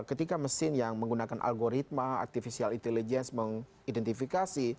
ini kan mesin yang menggunakan algoritma artificial intelligence mengidentifikasi